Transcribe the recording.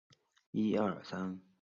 葛民辉的父亲为一名泥头车司机。